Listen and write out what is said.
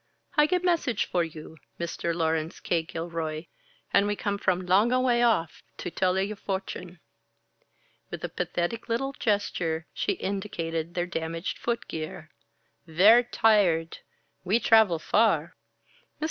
I get message for you Mr. Laurence K. Gilroy and we come from long a way off to tell a your fortune." With a pathetic little gesture, she indicated their damaged foot gear. "Ver' tired. We travel far." Mr.